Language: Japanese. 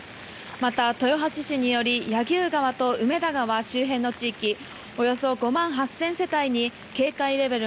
また、豊橋市により柳生川と梅田川周辺の地域およそ５万８０００世帯に警戒レベル